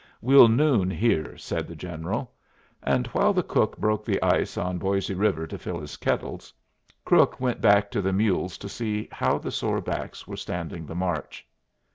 "We'll noon here," said the General; and while the cook broke the ice on Boisé River to fill his kettles, Crook went back to the mules to see how the sore backs were standing the march.